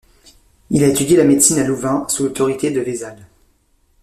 Il a étudié la médecine à Louvain, sous l'autorité de Vésale.